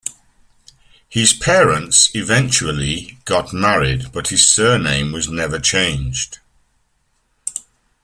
His parents eventually got married but his surname was never changed.